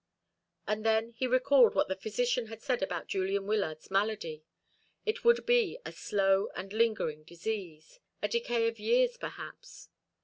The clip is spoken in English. And then he recalled what the physician had said about Julian Wyllard's malady. It would be a slow and lingering disease a decay of years, perhaps.